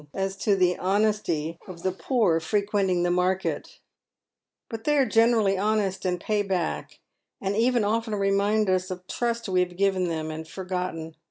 77 as to the honesty of the poor frequenting the market ;" but they are generally honest and pay back, and even often remind us of trust we have given them and forgotten.